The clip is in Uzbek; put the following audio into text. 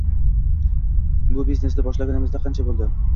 — Bu biznesni boshlaganingizga qancha boʻldi?